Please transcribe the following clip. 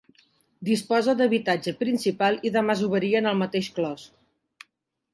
Disposa d'habitatge principal i de masoveria en el mateix clos.